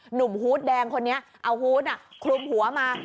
หนุ่มฮุดแดงคนนี้เอาฮุดอ่ะคลุมหัวมา